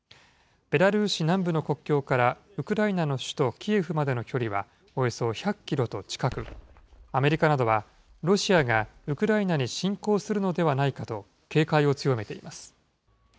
ベラルーシ南部の国境から、ウクライナの首都キエフまでの距離はおよそ１００キロと近く、アメリカなどは、ロシアがウクライナに侵攻するのではないかと、警戒を強めています。